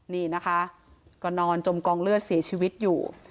นี่นะคะก็นอนจมกองเลือดเสียชีวิตอยู่